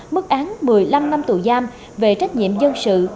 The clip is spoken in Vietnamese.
mức án một mươi năm năm tù giam về trách nhiệm dân sự